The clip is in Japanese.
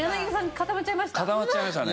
固まっちゃいましたね。